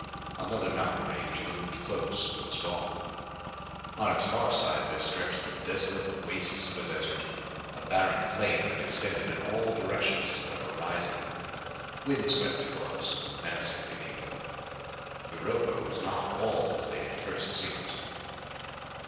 Another mountain range loomed close and was gone. On its far side there stretched the desolate wastes of a desert, a barren plain that extended in all directions to the horizon. Wind swept, it was and menacing beneath them. Europa was not all as they had first seen it.